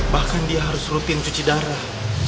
bahkan dia harus rutin cuci darah